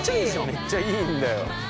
めっちゃいいんだよ。